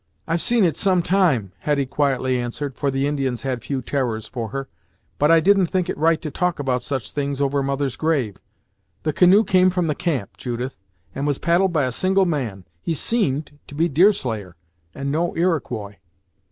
"I've seen it some time," Hetty quietly answered, for the Indians had few terrors for her, "but I didn't think it right to talk about such things over mother's grave! The canoe came from the camp, Judith, and was paddled by a single man. He seemed to be Deerslayer, and no Iroquois."